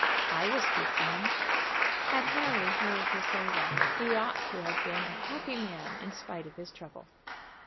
"I will speak to him." Had Harry heard her say that, he ought to have been a happy man in spite of his trouble.